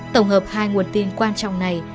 tổng hợp hai nguồn tin quan trọng này